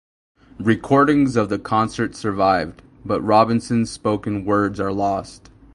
Recordings of the concert survived, but Robeson's spoken words are lost.